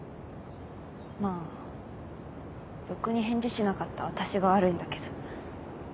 まあろくに返事しなかった私が悪いんだけど。